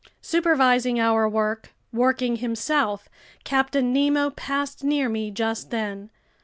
Supervising our work, working himself, Captain Nemo passed near me just then.